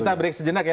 kita break sejenak ya